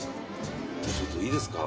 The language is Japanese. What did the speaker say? いいですか。